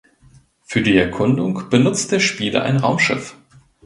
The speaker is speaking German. Für die Erkundung benutzt der Spieler ein Raumschiff.